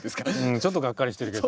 ちょっとガッカリしてるけど。